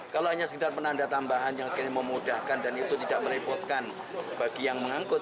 kalau hanya sekedar penanda tambahan yang memudahkan dan itu tidak merepotkan bagi yang mengangkut